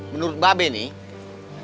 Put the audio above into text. menurut babe nih